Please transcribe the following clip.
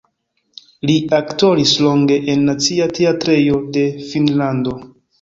Li aktoris longe en nacia teatrejo de Finnlando.